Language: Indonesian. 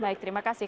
baik terima kasih